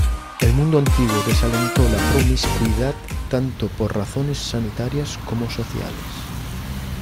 El mundo antiguo desalentó la promiscuidad tanto por razones sanitarias como sociales.